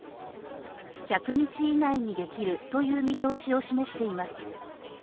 １００日以内にできるという見通しを示しています。